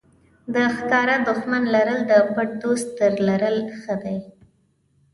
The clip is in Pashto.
د ښکاره دښمن لرل د پټ دوست تر لرل ښه دي.